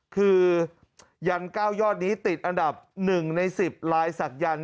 คือยันต์เก้ายอดนี้ติดอันดับหนึ่งในสิบลายศักดิ์ยันต์